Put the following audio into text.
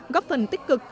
góp phần tích cực